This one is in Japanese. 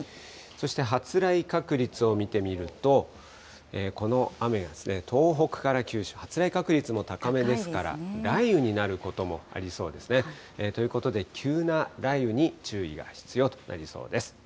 そして、発雷確率を見てみると、この雨が東北から九州、発雷確率も高めですから、雷雨になることもありそうですね。ということで、急な雷雨に注意が必要となりそうです。